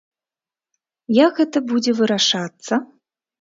Як гэта будзе вырашацца?